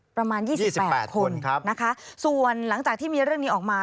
ประมาณ๒๘คนนะคะส่วนหลังจากที่มีเรื่องนี้ออกมา